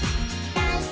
ダンス！」